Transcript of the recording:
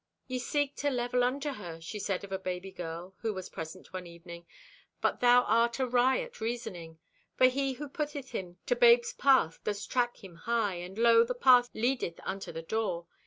"Ye seek to level unto her," she said of a baby girl who was present one evening, "but thou art awry at reasoning. For he who putteth him to babe's path doth track him high, and lo, the path leadeth unto the Door.